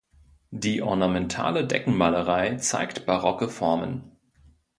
Die ornamentale Deckenmalerei zeigt barocke Formen.